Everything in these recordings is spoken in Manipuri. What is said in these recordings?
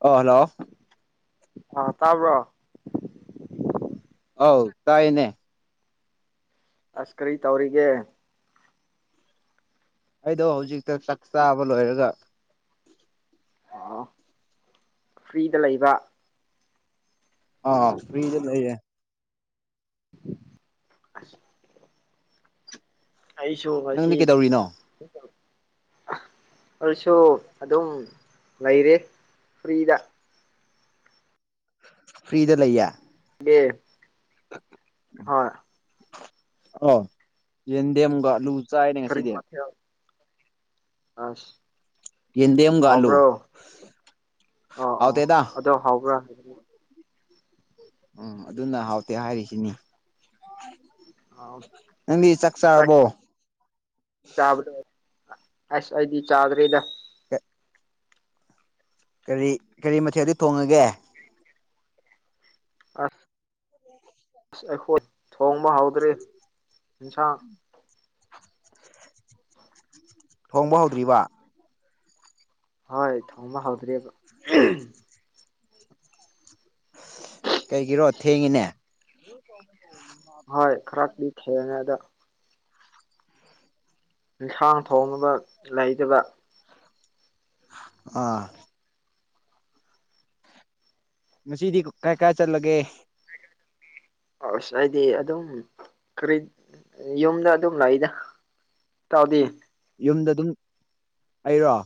ꯑ ꯍꯜꯂꯣ ꯑꯥ ꯇꯥꯕ꯭ꯔꯣ ꯍꯧ ꯇꯥꯏꯅꯦ ꯑꯁ ꯀꯔꯤ ꯇꯧꯔꯤꯒꯦ ꯑꯩꯗꯣ ꯍꯧꯖꯤꯛꯇ ꯆꯥꯛ ꯆꯥꯕ ꯂꯣꯏꯔꯒ ꯑꯣ ꯐ꯭ꯔꯤꯗ ꯂꯩꯕ ꯑꯥ ꯐ꯭ꯔꯤꯗ ꯂꯩꯌꯦ ꯑ ꯑꯩꯁꯨ ꯍꯧꯁꯤ ꯅꯪꯗꯤ ꯀꯩꯗꯧꯔꯤꯅꯣ ꯑꯗꯨꯁꯨ ꯑꯗꯨꯝ ꯂꯩꯔꯦ ꯐ꯭ꯔꯤꯗ ꯐ꯭ꯔꯔꯤꯗ ꯂꯩꯌꯦꯌꯥ ꯑꯦ ꯍꯣꯏ ꯑ ꯌꯦꯟꯗꯦꯝꯒ ꯂꯨ ꯐꯔꯤ ꯃꯥꯊ ꯑꯁ ꯌꯦꯟꯗꯦꯝꯒ ꯑꯂꯨ ꯍꯥꯎꯕ꯭ꯔꯣ ꯑ ꯑ ꯍꯥꯎꯇꯦꯗ ꯑꯗꯣ ꯍꯥꯎꯕ꯭ꯔꯥ ꯍꯥꯏ ꯎꯝ ꯑꯗꯨꯅ ꯍꯥꯎꯇꯦ ꯍꯥꯏꯔꯤꯁꯤꯅꯤ ꯑꯥ ꯆꯕꯣ ꯆꯥꯕ ꯑꯁ ꯑꯩꯗꯤ ꯆꯥꯗꯔꯦꯗ ꯀꯔꯤ ꯀꯔꯤ ꯃꯊꯦꯜ ꯑꯗꯨ ꯊꯣꯡꯉꯒꯦ ꯑꯁ ꯑꯩꯈꯣꯏ ꯊꯣꯡꯕ ꯍꯧꯗ꯭ꯔꯔꯤ ꯑꯦꯟꯁꯥꯡ ꯊꯣꯡꯕ ꯍꯧꯗ꯭ꯔꯤꯕ ꯍꯣꯏ ꯊꯣꯡꯕꯥ ꯍꯜꯗꯔꯤꯕ ꯀꯩꯒꯤꯔꯣ ꯊꯦꯡꯉꯤꯅꯦ ꯍꯣꯏ ꯈꯔꯗꯤ ꯊꯦꯡꯔꯅꯦ ꯑꯗ ꯌꯦꯟꯁꯥꯡ ꯊꯣꯡꯅꯕ ꯂꯩꯇꯕ ꯑꯥ ꯉꯗꯤ ꯀꯥꯏ ꯀꯥꯏ ꯆꯠꯂꯒꯦ ꯑꯁ ꯍꯥꯏꯗꯤ ꯑꯗꯨꯝ ꯀꯔꯤ ꯌꯨꯝꯗ ꯑꯗꯨꯝ ꯂꯥꯛꯏꯗ ꯇꯥꯎꯗꯤ ꯌꯨꯝꯗ ꯑꯗꯨꯝ ꯑꯩꯔꯣ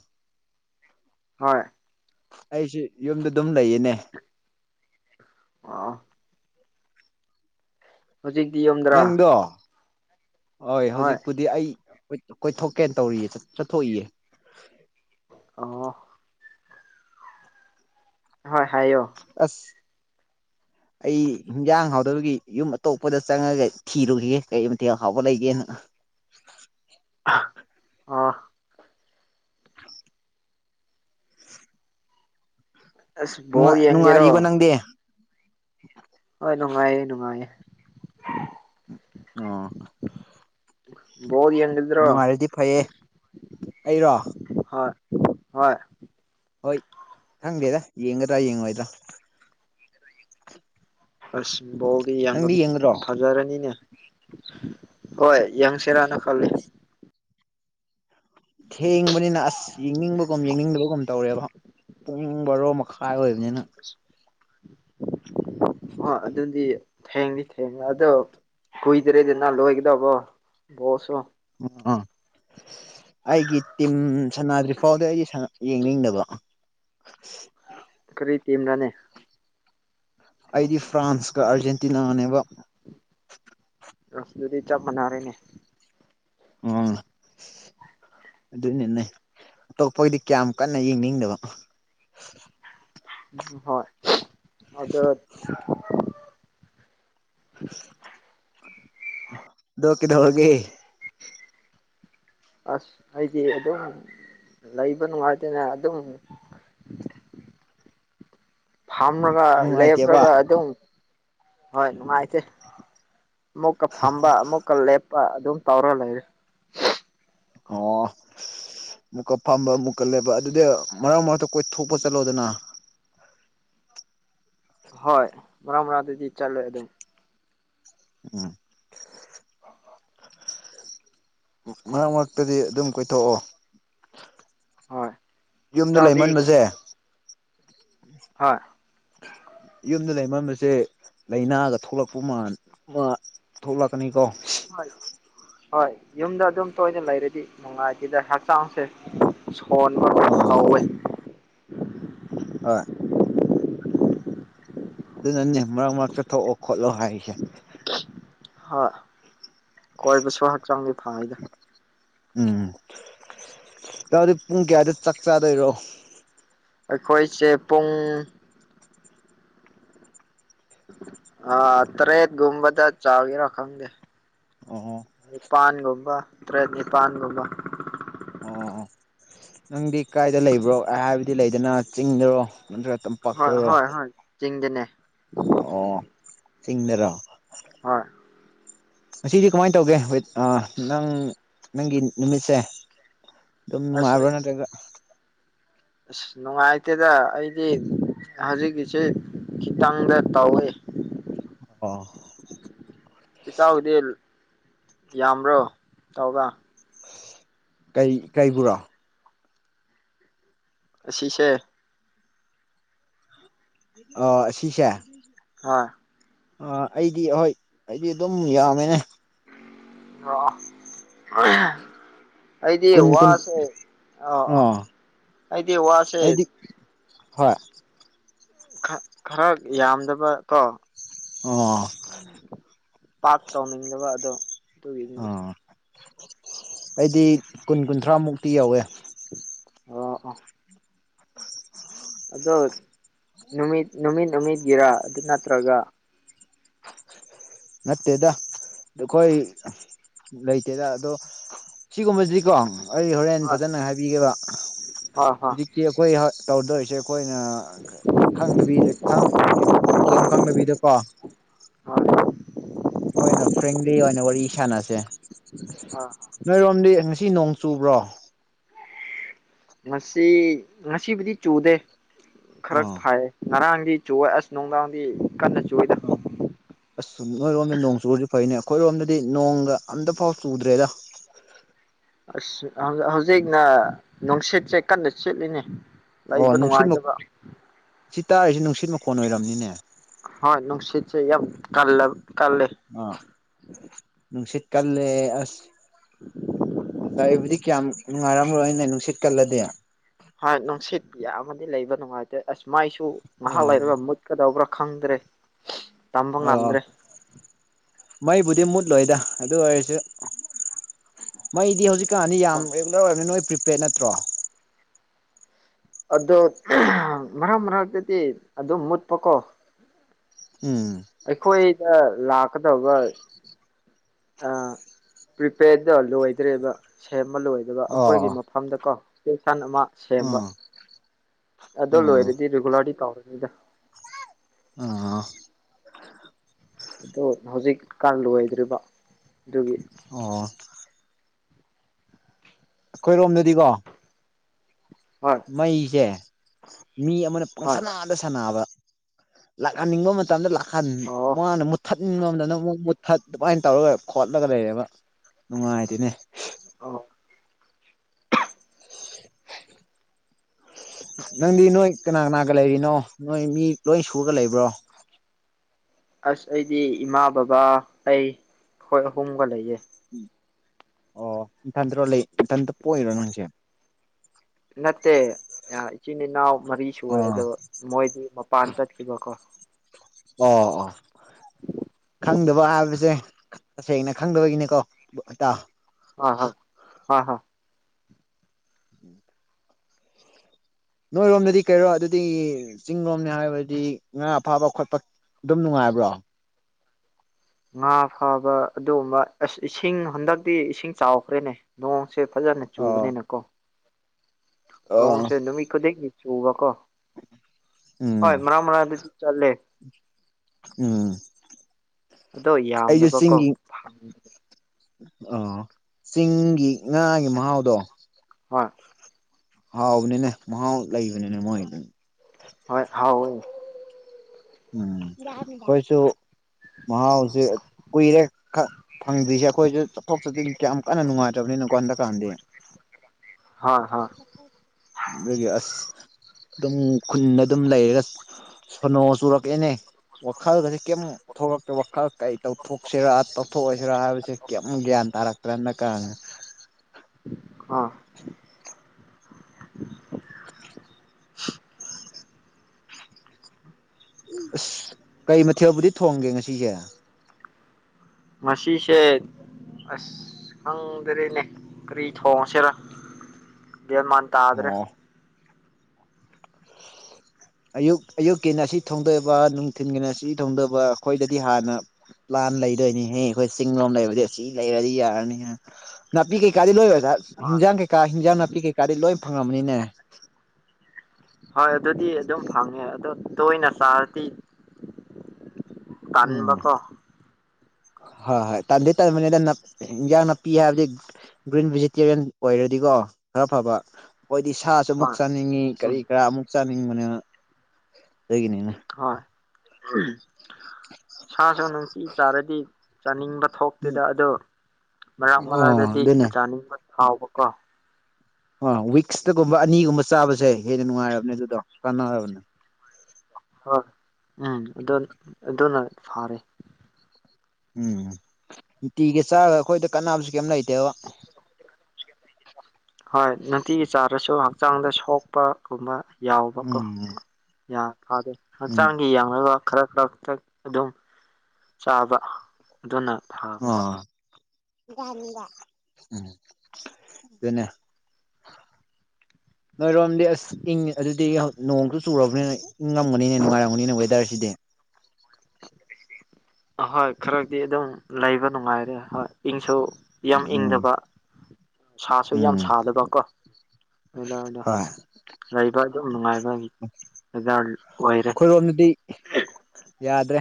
ꯍꯣꯏ ꯑꯩꯁꯤꯦ ꯌꯨꯝꯗ ꯑꯗꯨꯝ ꯂꯩꯌꯦꯅꯦ ꯑꯥ ꯍꯧꯖꯤꯛꯇꯤ ꯌꯣꯗ꯭ꯔꯥ ꯅꯪꯗꯣ ꯍꯣꯏ ꯍꯧꯖꯤꯛꯄꯨꯗꯤ ꯑꯩ ꯀꯣꯏꯊꯣꯛꯀꯦꯅ ꯇꯧꯔꯤꯌꯦ ꯆꯠꯊꯣꯛꯏꯌꯦ ꯑꯣ ꯍꯣꯏ ꯍꯥꯏꯌꯣ ꯑꯁ [inaudible] ꯑꯩ ꯍꯤꯟꯖꯥꯡ ꯍꯥꯎꯗꯕꯒꯤ ꯌꯨꯝ ꯑꯇꯣꯞꯄꯗ ꯆꯪꯉꯒ ꯊꯤꯔꯨꯈꯤꯒꯦ ꯀꯩ ꯃꯇꯊꯦꯜ ꯍꯥꯎꯕ ꯂꯩꯒꯦꯅ [inaudible] ꯑꯥ ꯑꯁ ꯕꯣꯜ ꯥꯏ ꯅꯨꯡꯉꯥꯏꯔꯤꯀꯣ ꯌꯦꯡꯒꯦꯔꯣ ꯅꯪꯗꯤ ꯍꯣꯏ ꯅꯨꯡꯉꯥꯏꯌꯦ ꯅꯨꯡꯉꯥꯏꯌꯦ ꯑꯣ ꯗꯤ ꯌꯦꯗ꯭ꯔꯣ ꯅꯨꯡꯉꯥꯏꯔꯗꯤ ꯐꯩꯌꯦ ꯑꯩꯔꯣ ꯍ ꯍꯣꯏ ꯍꯣꯏ ꯊꯪꯒꯦꯗ ꯌꯦꯡꯒꯗ꯭ꯔꯥ ꯌꯦꯡꯉꯣꯏꯗ꯭ꯔꯣ ꯀꯁꯤꯕꯕꯤ ꯑꯉ ꯅꯪꯗꯤ ꯌꯦꯡꯒꯗ꯭ꯔꯣ ꯐꯖꯔꯅꯤꯅ ꯍꯣꯏ ꯌꯥꯪꯁꯦꯔꯥꯅ ꯈꯜꯂꯤ ꯊꯦꯡꯕꯅꯤꯅ ꯑꯁ ꯌꯦꯡꯅꯤꯡꯕꯒꯨꯝ ꯌꯦꯡꯅꯤꯡꯗꯕꯒꯨꯝ ꯇꯧꯔꯦꯕ ꯄꯨꯡ ꯕꯥꯔꯣ ꯃꯈꯥꯏ ꯑꯣꯏꯕ ꯑꯅ ꯍ ꯑꯗꯨꯗꯤ ꯊꯦꯡꯂꯤ ꯊꯦꯡꯅ ꯑꯗꯣ ꯀꯨꯏꯗ꯭ꯔꯦꯗ ꯅ ꯂꯣꯏꯒꯗꯧꯕꯣ ꯕꯣꯁꯨ ꯑꯥ ꯑꯩꯒꯤ ꯇꯤꯝ ꯁꯅꯥꯗ꯭ꯔꯤ ꯐꯥꯎꯗ ꯑꯩꯒꯤ ꯌꯦꯡꯅꯤꯡꯗꯕ ꯈꯔꯤ ꯇꯤꯝ ꯔꯅꯦ ꯑꯩꯗꯤ ꯐ꯭ꯔꯥꯟꯁꯀ ꯑꯥꯔꯖꯦꯟꯇꯤꯅꯥꯅꯦꯕ ꯔꯁꯗꯤ ꯆꯥꯞ ꯃꯅꯔꯦꯅꯦ ꯎꯝ ꯑꯗꯨꯅꯤꯅꯦ ꯑꯇꯣꯞꯄꯒꯤꯗꯤ ꯀꯌꯥꯝ ꯀꯟꯅ ꯌꯦꯡꯅꯤꯡꯗꯕ ꯍꯣꯏ ꯑꯗ [inaudible] ꯗꯣꯀꯤꯗ ꯍꯒꯦ ꯑꯁ ꯑꯩꯗꯤ ꯑꯗꯨꯝ ꯂꯩꯕ ꯅꯨꯡꯉꯥꯏꯇꯅ ꯑꯗꯨꯝ ꯑ ꯐꯝꯃꯒ ꯅꯨꯡꯉꯥꯏꯇꯦꯕ ꯂꯦꯞꯒ ꯑꯗꯨꯝ ꯍꯣꯏ ꯅꯨꯡꯉꯥꯏꯇꯦ ꯑꯃꯨꯛꯀ ꯐꯝꯕ ꯑꯃꯨꯛꯀ ꯂꯦꯞꯄ ꯑꯗꯨꯝ ꯇꯧꯔ ꯂꯩꯔꯦ ꯑꯣ ꯃꯨꯛꯀ ꯐꯝꯕ ꯑꯃꯨꯛꯀ ꯂꯩꯕ ꯑꯗꯨꯗꯤ ꯃꯔꯛ ꯃꯔꯛꯇ ꯑꯩꯈꯣꯏ ꯊꯣꯛꯄ ꯆꯠꯂꯣꯗꯅ ꯍꯣꯏ ꯃꯔ ꯃꯔꯥꯡ ꯑꯗꯨꯗꯤ ꯆꯠꯂꯣꯏ ꯑꯗꯨꯝ ꯎꯝ ꯃꯔꯛ ꯃꯔꯛꯇꯗꯤ ꯑꯗꯨꯝ ꯀꯣꯏꯊꯣꯛꯑꯣ ꯍꯣꯏ ꯌꯨꯝꯗ ꯏꯇꯥꯎꯗꯤ ꯂꯩꯃꯟꯕꯁꯦ ꯍꯣꯏ ꯌꯨꯝꯗ ꯂꯩꯃꯟꯝꯕꯁꯦ ꯂꯥꯏꯅꯥꯒ ꯊꯣꯛꯂꯛꯄ ꯃꯜ ꯊꯣꯛꯂꯛꯀꯅꯤ ꯀꯣ ꯍꯣꯏ ꯍꯣꯏ ꯌꯨꯝꯗ ꯑꯗꯨꯝ ꯇꯣꯏꯅ ꯂꯩꯔꯗꯤ ꯅꯨꯡꯉꯥꯏꯈꯤꯗ ꯍꯛꯆꯥꯡꯁꯦ ꯍꯣꯟꯕ ꯑꯥ ꯍꯧꯋꯤ ꯍꯣꯏ ꯑꯗꯨ ꯅꯅꯤ ꯃꯔꯛ ꯃꯔꯛꯛꯇ ꯊꯣꯛꯑꯣ ꯈꯣꯠꯂꯣ ꯍꯥꯏꯁꯦ ꯍꯣꯏ ꯀꯣꯏꯕꯁꯨ ꯍꯛꯆꯥꯡꯒꯤ ꯐꯗ ꯎꯝ ꯌꯥꯗꯤ ꯄꯨꯡ ꯀꯌꯥꯗ ꯆꯥꯛ ꯆꯥꯗꯣꯏꯔꯣ ꯑꯩꯈꯣꯏꯁꯦ ꯄꯨꯡ ꯑꯥ ꯇꯔꯦ ꯨꯝꯕ ꯆꯒꯤꯔꯈꯥꯡꯗꯦ ꯑꯣ ꯅꯤꯄꯥꯜꯒꯨꯝꯕ ꯇꯔꯦꯠ ꯅꯤꯄꯥꯜꯒꯨꯝꯕ ꯑꯣ ꯅꯪꯗꯤ ꯀꯥꯏꯗ ꯂꯩꯕ꯭ꯔꯣ ꯍꯥꯏꯕꯗꯤ ꯂꯩꯗꯅ ꯆꯤꯡꯗꯔꯣ ꯅꯠꯇ꯭ꯔ ꯍꯣꯏ ꯍꯣꯏ ꯍꯣꯏ ꯆꯤꯡꯗꯅꯦ ꯑꯣ ꯁꯤꯁꯤꯡꯗꯔꯣ ꯍꯣꯏ ꯉꯁꯤꯗꯤ ꯀꯃꯥꯏꯅ ꯇꯧꯒꯦ ꯅꯪ ꯅꯪꯒꯤ ꯅꯨꯃꯤꯠꯁꯦ ꯑꯁ ꯑꯗꯨꯝꯅꯅꯨꯡꯉꯥꯏꯕꯅꯠꯇꯒ ꯑꯁ ꯅꯨꯡꯉꯥꯏꯇꯦꯗ ꯑꯩꯗꯤ ꯍꯧꯖꯤꯛꯀꯤꯁꯤꯦ ꯈꯤꯇꯪꯗ ꯇꯧꯏꯦ ꯑꯣ ꯏꯇꯥꯎꯒꯤꯗꯤ ꯌꯥꯝꯕ꯭ꯔꯣ ꯇꯧꯒ ꯀꯩ ꯀꯩꯕꯨꯔꯥ ꯑꯁꯤꯁꯦ ꯑꯣ ꯁꯤꯁꯦ ꯑ ꯑꯥ ꯑꯩꯗꯤ ꯍꯣꯏ ꯑꯩꯗꯤ ꯑꯗꯨꯝ ꯌꯥꯝꯃꯦꯅꯦ ꯑ ꯑꯩꯗꯤ ꯀꯨꯟ ꯀꯨꯟ ꯋꯥꯁꯦ ꯑ ꯑ ꯑꯥ ꯑꯩꯗꯤ ꯋꯥꯁꯦ ꯑꯩꯗꯤ ꯍꯣꯏ ꯈꯔ ꯌꯥꯝꯗꯕ ꯀꯣ ꯑꯣ ꯄꯥꯥꯛ ꯇꯧꯅꯤꯡꯗꯕ ꯑꯗꯣ ꯑꯗꯨꯒꯤꯅꯤꯗ ꯑꯥ ꯑꯩꯗꯤ ꯀꯨꯟ ꯀꯨꯟꯊ꯭ꯔꯥ ꯃꯨꯛꯇꯤ ꯌꯧꯋꯦ ꯑ ꯑ ꯑꯗꯣ ꯅꯨꯃꯤꯠ ꯅꯨꯃꯤꯠ ꯅꯨꯃꯤꯠꯒꯤꯔꯥ ꯑꯗꯨ ꯅꯠꯇ꯭ꯔꯒ ꯃꯠꯇꯦꯗ ꯑꯩꯈꯣꯏ ꯂꯩꯇꯦꯗ ꯑꯗꯣ ꯁꯤꯒꯨꯝꯕꯁꯤꯀꯣ ꯑꯩ ꯍꯣꯔꯦꯟ ꯍꯣꯏ ꯐꯖꯅ ꯍꯥꯏꯕꯤꯒꯦꯕ ꯍꯣꯏ ꯍꯣꯏ ꯍꯧꯖꯤꯛꯇꯤ ꯑꯩꯈꯣꯏ ꯇꯧꯗꯧꯔꯤꯁꯦ ꯑꯩꯈꯣꯏꯅꯗꯕꯤꯗ ꯀꯩꯦꯝ ꯈꯪꯗꯕꯤꯗꯀꯣ ꯍ ꯑꯩꯈꯣꯏꯅ ꯐ꯭ꯔꯦꯡꯂꯤ ꯑꯣꯏꯅ ꯋꯥꯔꯤ ꯁꯥꯟꯅꯁꯦ ꯍꯣꯏ ꯅꯣꯏꯔꯣꯝꯗꯤ ꯁꯤ ꯅꯣꯡ ꯆꯨꯕ꯭ꯔꯣ ꯉꯁꯤ ꯉꯁꯤꯕꯨꯗꯤ ꯆꯨꯗꯦ ꯈꯔ ꯑꯥ ꯐꯥꯏꯌꯦ ꯉꯔꯥꯡꯗꯤ ꯆꯨ ꯑꯁ ꯅꯨꯡꯗꯥꯡꯗꯤ ꯀꯟꯅ ꯆꯨꯏꯗ ꯑ ꯑ ꯅꯣꯡ ꯁ ꯐꯥꯏꯅꯦ ꯑꯩꯈꯣꯏꯔꯣꯝꯗꯗꯤ ꯅꯣꯡꯒ ꯑꯝꯇꯐꯥꯎ ꯆꯨꯗ꯭ꯔꯦꯗ ꯑꯁ ꯍꯧꯖꯤꯛꯅ ꯅꯨꯡꯁꯤꯠꯁꯦ ꯀꯟꯅ ꯆꯦꯠꯂꯤꯅꯦ ꯑꯣ ꯂꯩꯕ ꯅꯨꯡꯁꯤꯠ ꯅꯨꯡꯉꯥꯏꯒꯕ꯭ꯔ ꯁꯤ ꯇꯥꯔꯤꯁꯤ ꯅꯨꯡꯁꯤꯠ ꯃꯈꯣꯟ ꯑꯣꯏꯔꯝꯅꯤꯅꯦ ꯍꯣꯏ ꯅꯨꯡꯁꯤꯠ ꯆ ꯀꯜꯂ ꯀꯜꯂꯦ ꯑ ꯅꯪꯁꯤꯠ ꯀꯜꯦ ꯑꯁ [inaudible] ꯑꯩꯕꯨꯗꯤ ꯀꯌꯥꯝ ꯅꯨꯡꯉꯥꯏꯔꯝꯔꯣꯏꯅ ꯅꯨꯡꯁꯤꯠ ꯀꯜꯂꯗꯤꯦ ꯍꯣꯏ ꯅꯨꯡꯁꯤꯠ ꯌꯥꯝꯃꯗꯤ ꯂꯩꯕ ꯅꯨꯡꯉꯥꯏꯇꯦ ꯑꯁ ꯃꯥꯏꯁꯨ ꯉꯥꯏꯍꯥꯛ ꯂꯩꯔꯒ ꯃꯨꯠꯀꯗꯧꯕ꯭ꯔꯥ ꯈꯪꯗ꯭ꯔꯦ ꯇꯝꯕ ꯑꯣ ꯉꯝꯗ꯭ꯔꯦ ꯃꯩꯕꯨꯗꯤ ꯃꯨꯠꯂꯣꯏꯗ ꯑꯗꯨ ꯑꯣꯏꯔꯁꯨ ꯃꯩꯗꯤ ꯍꯧꯖꯤꯛ ꯀꯅꯤ ꯌꯥꯝ ꯍꯣꯏ ꯔꯤꯒꯨꯂꯔ ꯑꯣꯏꯔꯕꯅꯤꯅ ꯅꯣꯏ ꯄ꯭ꯔꯤꯄꯦꯗ ꯅꯠꯇ꯭ꯔꯣ ꯑꯗꯨ ꯃꯔꯛ ꯃꯔꯛꯇꯗꯤ ꯑꯗꯨꯝ ꯃꯨꯠꯄꯀꯣ ꯎꯝ ꯑꯩꯈꯣꯏꯗ ꯂꯥꯛꯀꯗꯕ ꯑ ꯄ꯭ꯔꯤꯄꯦꯗ ꯂꯣꯏꯗ꯭ꯔꯦꯕ ꯁꯦꯝꯕ ꯂꯣꯏꯗꯕ ꯑꯣ ꯑꯩꯈꯣꯏꯒꯤ ꯃꯐꯝꯗ ꯀꯣ ꯁꯟ ꯑꯃ ꯁꯦꯝꯕ ꯎꯝ ꯑꯗꯨ ꯎꯝ ꯂꯣꯏꯔꯗꯤ ꯔꯤꯒꯨꯂꯔꯗꯤ ꯇꯧꯔ ꯌꯦꯗ ꯑ ꯑꯗ ꯍꯧꯖꯤꯛꯀꯥꯟ ꯂꯣꯏꯗ꯭ꯔꯤꯕ ꯑꯗꯨꯒꯤ ꯑꯣ ꯑꯩꯈꯣꯏꯔꯣꯝꯗꯗꯤꯀꯣ ꯍꯣꯏ ꯃꯩꯁꯦ ꯃꯤ ꯑꯃꯅ ꯍꯣꯏ ꯄꯪꯁ ꯅꯥꯗ ꯁꯥꯟꯅꯕ ꯂꯥꯛꯍꯟꯅꯤꯡꯕ ꯃꯇꯝꯗ ꯂꯥꯛꯍꯟ ꯑꯣ ꯃꯥꯅ ꯃꯨꯊꯠ ꯏ ꯉꯣꯝꯗꯅ ꯑꯃꯨꯛ ꯃꯨꯠꯊꯠ ꯑꯗꯨꯃꯥꯏꯅ ꯇꯧꯔꯒ ꯈꯣꯠꯂꯒ ꯂꯩꯔꯦꯕ ꯅꯨꯡꯉꯥꯏꯗꯨꯅꯦ ꯑ ꯅꯪꯗꯤ ꯅꯣꯏ ꯀꯅꯥ ꯀꯅꯥꯒ ꯂꯩꯔꯤꯅꯣ ꯅꯣꯏ ꯃꯤ ꯂꯣꯏ ꯁꯨꯔꯒ ꯂꯩꯕ꯭ꯔꯣ ꯑꯁ ꯑꯩꯗꯤ ꯏꯃꯥ ꯕꯕꯥ ꯑꯩ ꯑꯩꯣꯏ ꯑꯍꯨꯝꯒ ꯂꯩꯌꯦꯦ ꯑꯣ ꯏꯊꯟꯗꯔꯣ ꯂꯩ ꯏꯊꯇ ꯄꯣꯛꯏꯔꯣ ꯅꯪꯁꯦ ꯅꯠꯇꯦ ꯑ ꯆꯤꯟꯅꯤꯅꯥ ꯃꯔꯤ ꯁꯨ ꯑꯣ ꯑꯗꯣ ꯃꯣꯏꯗꯤ ꯃꯄꯥꯟ ꯆꯠꯈꯤꯕꯀꯣ ꯑꯣ ꯑꯣ ꯈꯪꯗꯕ ꯍꯥꯏꯕꯁꯦ ꯇꯁꯦꯡꯅ ꯈꯪꯗꯕꯒꯤꯅꯤꯀꯣꯇꯥꯥꯎ ꯍ ꯍ ꯍ ꯍ ꯎꯝ ꯅꯣꯏꯔꯣꯝꯗꯗꯤ ꯀꯩꯔꯣ ꯑꯗꯨꯗꯤ ꯆꯤꯡꯔꯣꯝꯅꯦ ꯍꯥꯏꯕꯗꯤ ꯉꯥ ꯐꯥꯕ ꯈꯣꯠꯄ ꯑꯗꯨꯝ ꯅꯨꯡꯉꯥꯏꯕ꯭ꯔꯣ ꯉꯥ ꯐꯥꯕ ꯑꯗꯨꯒꯨꯝꯕ ꯑꯁ ꯏꯁꯤꯡ ꯍꯟꯗꯛꯇꯤ ꯏꯁꯤꯡ ꯆꯥꯎꯈ꯭ꯔꯦꯅꯦ ꯅꯣꯡ ꯁꯦ ꯐꯖꯅ ꯑꯣ ꯆꯨꯕꯅꯤꯅꯀꯣ ꯑꯣ ꯅꯣꯡꯁꯦ ꯅꯨꯃꯤꯀꯣꯗꯅꯤ ꯆ ꯎꯕ ꯀꯣ ꯎꯝ ꯍꯣꯏ ꯃꯔꯔ ꯃꯔꯔ ꯆꯜꯂꯦ ꯑꯝ ꯑꯗꯣ ꯌꯥꯝꯗꯕꯀꯣ ꯑ ꯆꯤꯡꯒꯤ ꯉꯥꯒꯤ ꯃꯍꯥꯎꯗꯣ ꯍꯣꯏ ꯍꯥꯎꯕꯅꯦꯅꯦ ꯃꯍꯥꯎ ꯂꯩꯕꯅꯤꯅꯦ ꯃꯣꯏ ꯍꯣꯏ ꯍꯥꯎꯣꯏ ꯎꯝ ꯍꯣꯏꯁꯨꯁꯨ ꯃꯍꯥꯎꯁꯦ ꯀꯨꯏꯔꯦ ꯈꯛ ꯐꯪꯗ꯭ꯔꯤꯁꯦ ꯑꯩꯈꯣꯏꯁꯨ ꯆꯠꯊꯣꯛ ꯆꯠꯁꯤꯟ ꯀ ꯌꯥꯝ ꯀꯟꯅ ꯅꯨꯡꯉꯥꯏꯇꯕꯅꯤꯅꯀꯣ ꯗꯀꯥꯟꯗ ꯍ ꯂꯩꯒꯤ ꯑꯁ ꯑꯗꯨꯝ ꯈꯨꯟꯗ ꯑꯗꯨꯝ ꯂꯩꯔꯒ ꯁꯣꯅꯣ ꯆꯨꯔꯛꯑꯦꯅꯦ ꯋꯥꯈꯜꯒꯁ ꯀꯩꯝ ꯊꯣꯛꯂꯛꯇꯀꯦ ꯋꯥꯈꯜ ꯀꯩ ꯇꯧꯊꯣꯛꯁꯤꯔꯥ ꯇꯧꯊꯣꯛꯑꯁꯤꯔꯥ ꯍꯥꯏꯕꯁꯤ ꯀꯔꯤꯝ ꯒ꯭ꯌꯥꯟ ꯇꯔꯛꯇꯔꯅ ꯀ ꯑꯥ ꯑꯁ ꯀꯩ ꯃꯊꯦꯜꯕꯨꯗꯤ ꯊꯣꯡꯒꯦ ꯉꯁꯤꯁꯦ ꯃꯁꯤꯁꯤꯁꯦ ꯑꯁ ꯈꯪꯗꯔꯦꯅꯦ ꯀꯔꯤ ꯊꯣꯡꯉꯁꯤꯔ ꯦꯃ ꯇꯗ꯭ꯔꯦ ꯑꯣ [inaudible] ꯑꯌꯨꯛ ꯑꯌꯨꯛꯀꯤꯅ ꯑꯁꯤ ꯊꯣꯡꯗꯣꯏꯕ ꯅꯨꯡꯊꯤꯟꯒꯤꯅ ꯁꯤ ꯊꯣꯡꯗꯣꯏꯕ ꯑꯩꯈꯣꯏꯗꯗꯤ ꯍꯥꯟꯅ ꯂꯩꯗꯣꯏꯅꯤꯍꯦ ꯑꯩꯈꯣꯏ ꯆꯤꯡ ꯂꯣꯝ ꯂꯩꯔꯗꯤ ꯑꯁꯤ ꯂꯩꯔꯗꯤ ꯌꯥꯔꯅꯤ ꯅꯥꯄꯤ ꯀꯩꯀꯥꯗꯤ ꯂꯣꯏ ꯗ ꯍꯣꯏ ꯍꯤꯟꯖꯥꯡ ꯀꯩꯀꯥ ꯍꯤꯟꯖꯥꯡ ꯅꯥꯄꯤ ꯀꯩꯀꯥꯗꯤ ꯂꯣꯏ ꯐꯪꯉꯃꯅꯤꯅꯦ ꯍꯣꯏ ꯑꯗꯨꯗꯤ ꯑꯗꯨꯝ ꯐꯪꯉꯦ ꯑꯗꯣ ꯇꯣꯏꯅ ꯆꯥꯔꯗꯤ ꯎꯝ ꯇꯥꯟꯕꯀꯣ ꯍꯣꯏ ꯍꯣꯏ ꯇ ꯇ ꯌꯥ ꯅꯅꯥꯄꯤ ꯍꯥꯏꯕ ꯒ꯭ꯔꯤꯟ ꯚꯦꯖꯤꯇꯦꯔꯤꯌꯥꯟ ꯑꯣꯏꯔꯗꯤꯀꯣ ꯈꯔ ꯐꯕ ꯑꯩꯈꯣꯏꯗꯤ ꯁꯥꯁꯨ ꯑꯃꯨꯛ ꯍꯣꯏ ꯆꯥꯅꯤꯡꯉꯤ ꯀꯔꯤ ꯎꯝ ꯀꯔꯥ ꯑꯃꯨꯛ ꯆꯥꯅꯤꯡꯕꯅꯤ ꯍꯒꯤꯅꯤꯅ ꯍꯣꯏ ꯁꯥꯁꯨ ꯅꯨꯡꯇꯤ ꯆꯥꯔꯗꯤ ꯆꯥꯅꯤꯡꯕ ꯊꯣꯛꯇꯦꯗ ꯑꯗꯣ ꯃꯔꯛ ꯑꯣ ꯃꯔꯥꯛꯛꯇꯗꯤ ꯑꯗꯨꯅ ꯆꯥꯅꯤꯡꯕ ꯊꯥꯎꯕꯀꯣ ꯑ ꯋꯤꯛꯁꯇꯒꯨꯝꯕ ꯑꯅꯤꯒꯨꯝꯕ ꯆꯥꯕꯁꯦ ꯍꯦꯟꯅ ꯅꯨꯡꯉꯥꯏꯔꯕꯅꯦ ꯑꯗꯨꯗꯣ ꯀꯥꯟꯅꯔꯕꯅꯦ ꯍꯣꯏ ꯎꯝ ꯑꯗꯨ ꯑꯗꯨꯅ ꯐꯔꯦ ꯎꯝ ꯅꯨꯡꯇꯤꯒ ꯆꯥꯔꯒ ꯑꯩꯈꯣꯏꯗ ꯀꯥꯟꯅꯕꯁꯨ ꯀꯩꯝ ꯂꯩꯇꯦꯕ ꯍꯣꯏ ꯅꯨꯡꯇꯤꯒꯤ ꯆꯥꯔꯁꯨ ꯍꯛꯆꯥꯡꯗ ꯁꯣꯛꯄꯒꯨꯝꯕ ꯌꯥꯎꯕꯀꯣ ꯎꯝ ꯌꯥ ꯑꯗ ꯎꯝ ꯆꯪꯈꯤ ꯌꯥꯎꯅ ꯈꯔ ꯈꯔꯛꯇ ꯑꯗꯨꯝ ꯆꯥꯕ ꯑꯗꯨꯅ ꯑ ꯐꯕꯅꯤ ꯎꯝ ꯅꯣꯏꯔꯣꯝꯗꯤ ꯑꯁ ꯏꯪ ꯑꯗꯨꯗꯤ ꯅꯣꯡꯁꯨ ꯆꯨꯔꯕꯅꯤꯅ ꯏꯪꯉꯝꯒꯅꯤꯅ ꯅꯨꯉꯥꯏꯔꯝꯒꯅꯤꯅꯦ ꯋꯦꯗꯔꯁꯤꯗꯤ ꯑꯍꯣꯏ ꯈꯔꯗꯤ ꯑꯗꯨꯝ ꯂꯩꯕ ꯅꯨꯡꯉꯥꯏꯔꯦ ꯍꯣꯏ ꯏꯪꯁꯨ ꯌꯥꯝ ꯎꯝ ꯏꯪꯗꯕ ꯁꯥꯁꯨ ꯌꯥꯝ ꯎꯝ ꯁꯥꯗꯕ ꯀꯣ ꯋꯦꯗꯔꯗ ꯍꯣꯏ ꯂꯩꯕ ꯑꯗꯨꯝ ꯅꯨꯡꯉꯥꯏꯕꯋ ꯑꯩꯈꯣꯏꯔꯣꯝꯗꯨꯗꯤ ꯌꯥꯗ꯭ꯔꯦ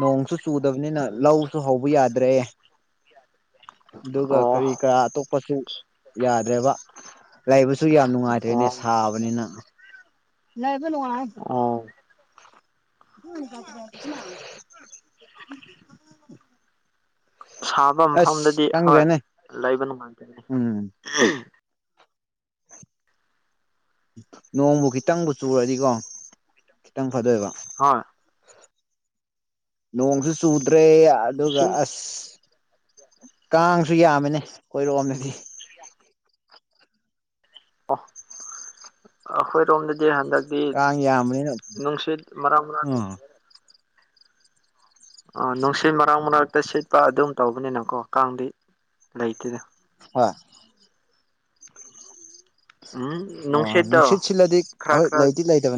ꯅꯣꯡꯁꯨ ꯆꯨꯗꯕꯅꯤꯅ ꯂꯧꯁꯨ ꯍꯧꯕ ꯌꯥꯗ꯭ꯔꯦ ꯑꯗꯨꯒ ꯑꯣ ꯀꯔꯤ ꯀꯔꯥ ꯑꯇꯣꯞꯄꯁꯨ ꯌꯥꯗ꯭ꯔꯦꯕ ꯂꯩꯕꯁꯨ ꯁꯨ ꯌꯥꯝ ꯅꯨꯡꯉꯥꯏꯇ꯭ꯔꯦꯅꯦ ꯑꯣ ꯁꯥꯕꯅꯤꯅ ꯂ ꯋꯥ ꯑꯣ ꯍ ꯁꯥꯕ ꯃꯐꯝꯗꯗꯤ ꯍꯣꯏ ꯈꯪꯗ꯭ꯔꯦꯅꯦ ꯂꯩꯕ ꯅꯨꯡꯉꯥꯏꯇꯅꯤ ꯎꯝ ꯅꯣꯡꯕꯨ ꯈꯤꯇꯪꯕꯨ ꯆꯨꯔꯗꯤꯀꯣ ꯈꯤꯇꯪ ꯐꯗꯣꯏꯕ ꯍꯣꯏ ꯅꯣꯡꯁꯨ ꯆꯨꯗ꯭ꯔꯦ ꯑꯗꯨꯒ ꯏꯁꯤꯡ ꯑꯁ ꯀꯥꯡꯁꯨ ꯌꯥꯝꯕꯅꯦ ꯀꯣꯏꯔꯣꯑꯝꯅꯗꯤ ꯑꯈꯣꯏ ꯔꯣꯝꯖ ꯍꯟꯗꯛꯇꯤ ꯀꯥꯡ ꯌꯥꯝꯕꯅꯤꯅ ꯅꯨꯡꯁꯤꯠ ꯃꯔꯥꯡ ꯃꯔꯥꯡ ꯎꯝ ꯑ ꯅꯨꯡꯁꯤꯠ ꯃꯔꯛ ꯃꯔꯛꯇ ꯁꯤꯠꯄ ꯑꯗꯨꯝ ꯇꯧꯕꯅꯤꯅꯀꯣ ꯀꯥꯡꯗꯤ ꯂꯩꯇꯦꯗ ꯋꯥ ꯎꯝ ꯑꯣ ꯅꯨꯡꯁꯤꯠꯇꯣ ꯅꯨꯡꯁꯤꯠ ꯁꯤꯜꯂꯗꯤ ꯈꯔ ꯍꯣꯏ ꯈꯔ ꯂꯩꯗꯤ ꯂꯩꯇꯕꯅꯤ